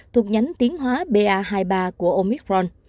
thuộc nhánh tiến hóa ba hai mươi ba của omicron